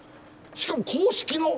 しかも硬式の？